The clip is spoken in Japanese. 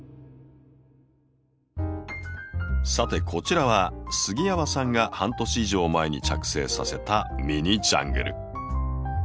さてこちらは杉山さんが半年以上前に着生させたミニジャングル。